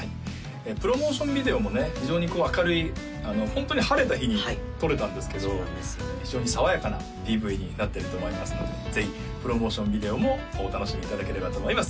プロモーションビデオもね非常にこう明るいホントに晴れた日に撮れたんですけど非常に爽やかなＰＶになってると思いますのでぜひプロモーションビデオもお楽しみいただければと思います